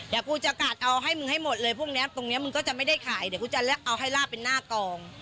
เดี๋ยวกูจะกัดเอาให้มึงให้หมดเลยพวกนี้ตรงนี้มึงก็จะไม่ได้ขายเดี๋ยวกูจะเอาให้ลาบเป็นหน้ากอง